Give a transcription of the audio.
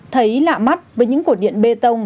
thấy lạ mắt với những cổ điện bê tông